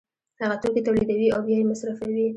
هغه توکي تولیدوي او بیا یې مصرفوي